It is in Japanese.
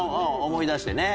思い出してね。